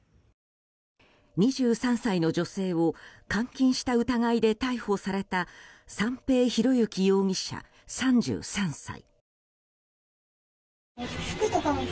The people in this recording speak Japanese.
２３歳の女性を監禁した疑いで逮捕された三瓶博幸容疑者、３３歳。